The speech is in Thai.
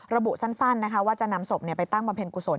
ระบุสั้นนะคะว่าจะนำศพไปตั้งบำเพ็ญกุศล